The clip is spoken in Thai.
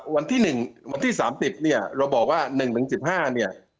วันที่๑วันที่๓๐เนี่ยเราบอกว่า๑ถึง๑๕เนี่ย